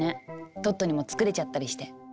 トットにも作れちゃったりして。